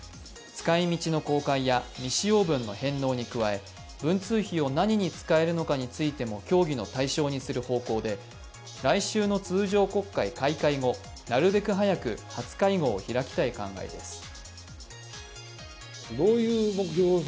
使い道の公開や未使用分の返納に加え文通費を何に使えるのかについても協議の対象にする法案で来週の通常国会開会後、なるべく早く初会合を開きたい考えです。